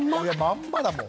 まんまだもん